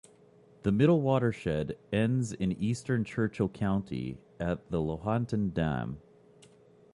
The middle watershed ends in eastern Churchill County at the Lahontan Dam.